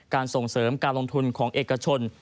ส่งเสริมการลงทุนของเอกชน